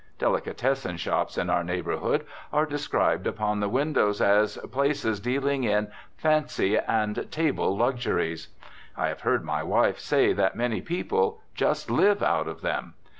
Delicatessen shops in our neighbourhood are described upon the windows as places dealing in "fancy and table luxuries." I have heard my wife say that many people "just live out of them."